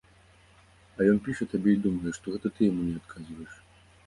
А ён піша табе, і думае, што гэта ты яму не адказваеш.